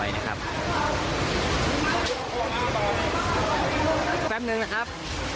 แป๊บนึงนะครับ